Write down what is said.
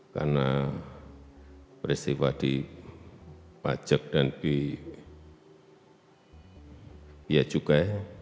karena peristiwa di pajak dan di biaya juga